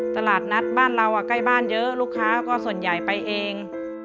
ตลาดนัดบ้านเราใกล้บ้านเยอะลูกค้าก็ส่วนใหญ่ไปเอง